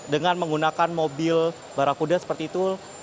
dengan menggunakan mobil barakuda seperti itu